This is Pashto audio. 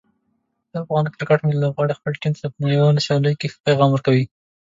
د افغان کرکټ لوبغاړي خپل ټیم ته په نړیوالو سیالیو کې ښه پیغام ورکوي.